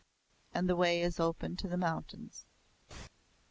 And the way is open to the mountains.